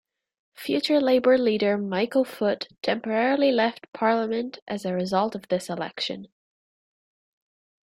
Future Labour leader Michael Foot temporarily left Parliament as a result of this election.